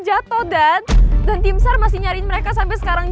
aku ceritainnya dad ya